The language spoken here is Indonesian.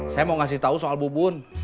saya mau ngasih tau soal bubun